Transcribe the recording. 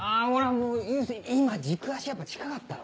もう佑星今軸足やっぱ近かったろ